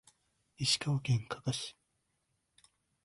石川県加賀市